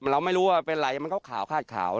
เราไม่รู้ว่าเป็นไรมันก็ขาวคาดขาว